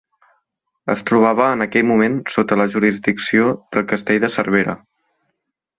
Es trobava en aquell moment sota la jurisdicció del castell de Cervera.